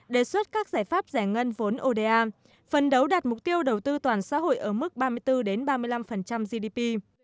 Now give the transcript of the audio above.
đề xuất các giải pháp giải ngân vốn oda phân đấu đạt mục tiêu đầu tư toàn xã hội ở mức ba mươi bốn ba mươi năm gdp